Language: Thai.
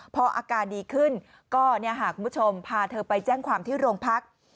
พออาการดีขึ้นก็คุณผู้ชมพาเธอไปแจ้งความที่โรงพัก